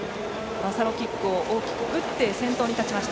バサロキックを大きく打って先頭に立ちました